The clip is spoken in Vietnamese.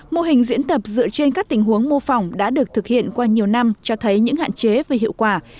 mô hình diễn tập dựa trên các tình huống mô phỏng đã được thực hiện qua nhiều năm cho thấy những hạn chế về hiệu quả